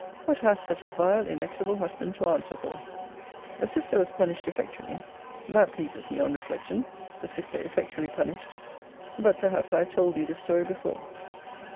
What hath such a vile inexorable husband to answer for! The sister was punished effectually that pleases me on reflection the sister effectually punished! But perhaps I have told thee this story before.